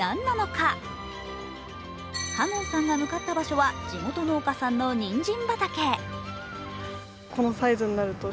かのんさんが向かった場所は地元農家さんのにんじん畑。